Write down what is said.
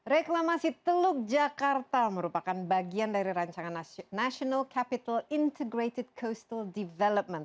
reklamasi teluk jakarta merupakan bagian dari rancangan national capital integrated coastal development